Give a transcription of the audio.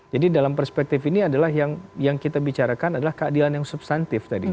jadi dalam perspektif ini adalah yang kita bicarakan adalah keadilan yang substantif tadi